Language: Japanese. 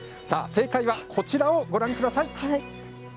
正解はこちらをご覧ください。